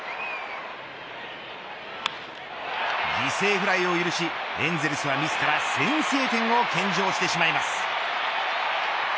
犠牲フライを許しエンゼルスはミスから先制点を献上してしまいます。